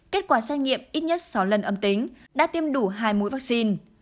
kết quả xét nghiệm ít nhất sáu lần âm tính đã tiêm đủ hai mũi vaccine